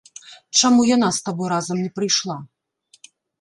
Чаму яна з табой разам не прыйшла?